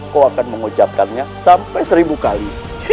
kau akan mengucapkannya sampai seribu kali